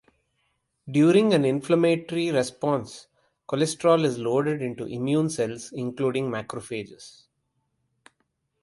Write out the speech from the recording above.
During an inflammatory response cholesterol is loaded into immune cells including macrophages.